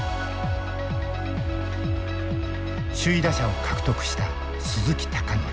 首位打者を獲得した鈴木尚典。